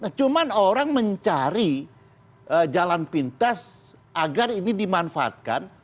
nah cuman orang mencari jalan pintas agar ini dimanfaatkan